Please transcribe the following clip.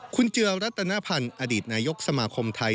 คุณเจือรัตนพันธ์อดีตนายกสมาคมไทย